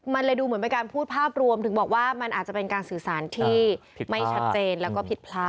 มันเลยดูเหมือนเป็นการพูดภาพรวมถึงบอกว่ามันอาจจะเป็นการสื่อสารที่ไม่ชัดเจนแล้วก็ผิดพลาด